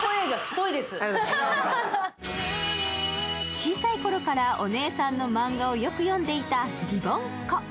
小さいころからお姉さんのマンガをよく読んでいたりぼんっ子。